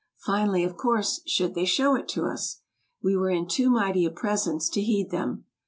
finally, of course, should they show it to us ? We were in too mighty a presence to heed them.